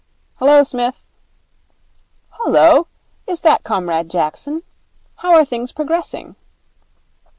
'Hullo, Smith.' 'Hullo. Is that Comrade Jackson? How are things progressing?'